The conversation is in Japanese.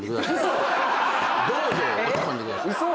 どうぞ落ち込んでください。